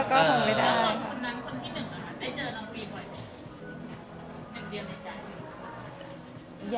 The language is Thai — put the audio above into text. ส่วนน้ำคนที่หนึ่งมายได้เจอลำกลีบบ่อยว่ะ